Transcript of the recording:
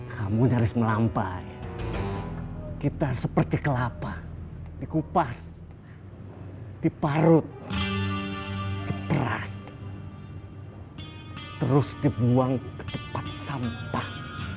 kamu nyaris melampai kita seperti kelapa dikupas diparut diperas terus dibuang ke tempat sampah